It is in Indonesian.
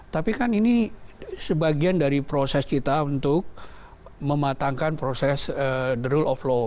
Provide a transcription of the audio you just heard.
tapi kan ini sebagian dari proses kita untuk mematangkan proses the rule of law